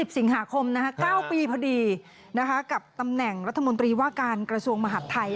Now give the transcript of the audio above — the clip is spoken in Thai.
สิงหาคม๙ปีพอดีกับตำแหน่งรัฐมนตรีว่าการกระทรวงมหาดไทย